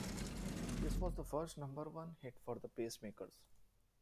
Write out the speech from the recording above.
This was the first number one hit for the Pacemakers.